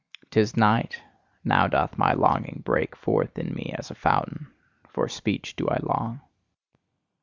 'Tis night: now doth my longing break forth in me as a fountain, for speech do I long.